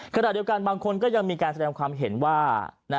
ขณะเดียวกันบางคนก็ยังมีการแสดงความเห็นว่า